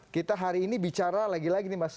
kita hari ini bicara lagi lagi